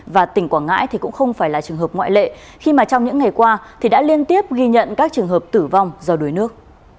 và tỉnh quảng ngãi thì cũng không phải là trường hợp ngoại lệ khi mà trong những ngày qua thì đã liên tiếp ghi nhận các trường hợp tử vong do đuối nước